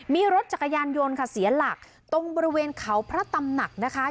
มีรถจักรยานยนต์ค่ะเสียหลักตรงบริเวณเขาพระตำหนักนะคะ